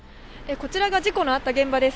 こちらが事故のあった現場です。